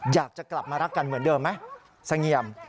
อยากจะกลับมารักกันเหมือนเดิมไหมเสงี่ยม